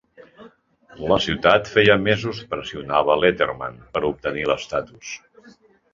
La ciutat feia mesos pressionava Letterman per obtenir l'estatus.